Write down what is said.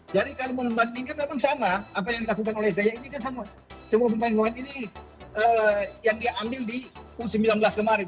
jadi kalau dibandingkan memang sama apa yang dilakukan oleh psty ini kan semua pemain pemain ini yang diambil di u sembilan belas kemarin